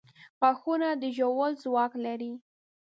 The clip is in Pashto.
• غاښونه د ژولو ځواک لري.